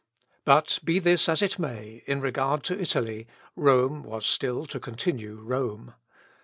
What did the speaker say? But be this as it may, in regard to Italy, Rome was still to continue Rome.